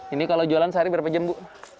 ini kalau jualan sehari berapa jam bu